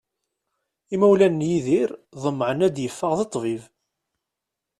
Imawlan n Yidir ḍemεen ad d-iffeɣ d ṭṭbib.